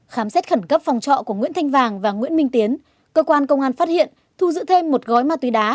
khám xét khẩn cấp phòng trọ của nguyễn thanh vàng và nguyễn minh tiến cơ quan công an phát hiện thu giữ thêm một gói ma túy đá